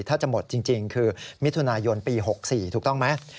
ถ้าจะหมดจริงคือมิถุนายนปี๖๔ถูกต้องไหม